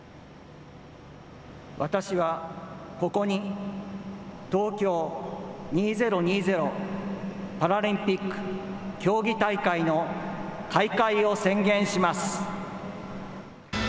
私はここに、東京２０２０パラリンピック競技大会の開会を宣言します。